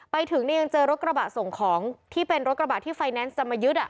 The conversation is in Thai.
ไปถึงเนี่ยยังเจอรถกระบะส่งของที่เป็นรถกระบะที่ไฟแนนซ์จะมายึด